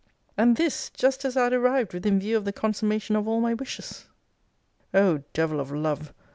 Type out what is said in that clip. And this, just as I had arrived within view of the consummation of all my wishes! O Devil of Love!